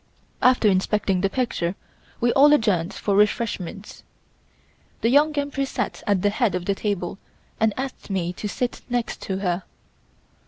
After inspecting the picture we all adjourned for refreshments. The Young Empress sat at the head of the table and asked me to sit next to her.